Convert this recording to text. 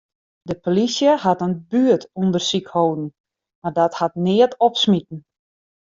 De polysje hat in buertûndersyk hâlden, mar dat hat neat opsmiten.